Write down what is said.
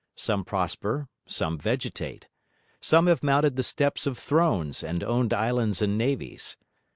Some prosper, some vegetate. Some have mounted the steps of thrones and owned islands and navies.